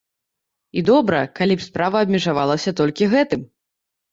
І добра, калі б справа абмежавалася толькі гэтым.